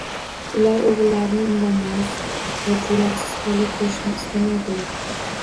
Ular o‘g‘illarini indamas va jur’atsiz holda ko‘rishni istamaydilar.